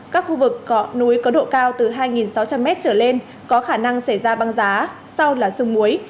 các khu vực núi có độ cao từ hai sáu trăm linh m trở lên có khả năng xảy ra băng giá sau là sương muối